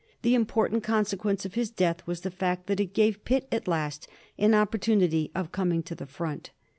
The important conse quence of his death was the fact that it gave Pitt at last an opportunity of coming to the front.